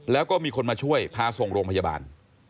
แล้วก็มีคนมาช่วยพาส่งโรงพยาบาล